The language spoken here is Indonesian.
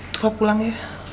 tufa pulang ya